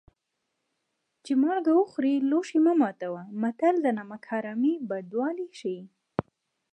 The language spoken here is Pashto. چې مالګه وخورې لوښی مه ماتوه متل د نمک حرامۍ بدوالی ښيي